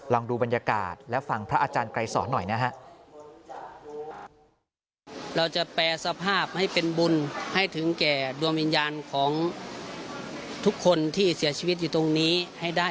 ลองดูบรรยากาศและฟังพระอาจารย์ไกรสอนหน่อยนะฮะ